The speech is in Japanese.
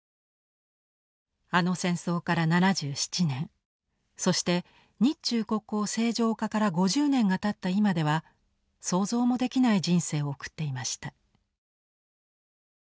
あの戦争から７７年そして日中国交正常化から５０年がたった今では想像もできない人生を送っていました。